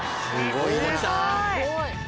すごい！